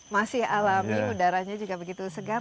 masih alami udaranya juga begitu segar